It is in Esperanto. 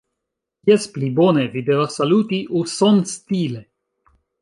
Jes, pli bone. Vi devas saluti uson-stile.